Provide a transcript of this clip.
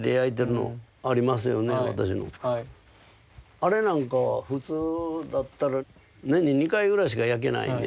あれなんかは普通だったら年に２回ぐらいしか焼けないんですよね。